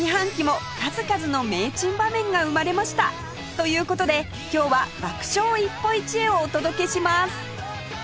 という事で今日は爆笑一歩一会をお届けします